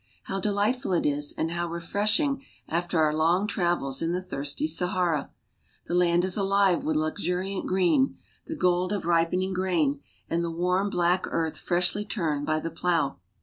How delightful it is and how refreshing after our long travels in the thirsty Sahara ! The land is alive with luxuriant green, the gold of ripening grain, and the warm, black earth freshly turned by the plow.